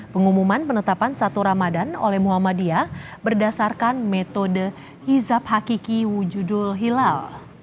pengumuman penetapan satu ramadan oleh muhammadiyah berdasarkan metode hizab hakiki wujudul hilal